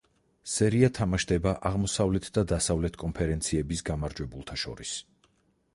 სერია თამაშდება აღმოსავლეთ და დასავლეთ კონფერენციების გამარჯვებულებს შორის.